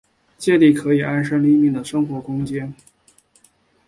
建立可以安身立命的生活空间